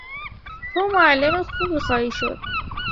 تو معلم خوبی خواهی شد.